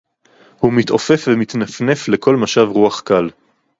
הוּא מִתְעוֹפֵף ומתנפנף לְכָל מַשָּׁב רוּחַ קַל.